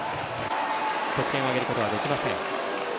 得点を挙げることができません。